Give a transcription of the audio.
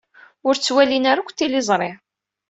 Ur ttwalin ara akk tiliẓri.